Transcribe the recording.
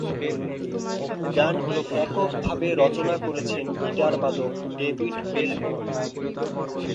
গানটি এককভাবে রচনা করেছেন গিটারবাদক ডেভিড গিলমোর।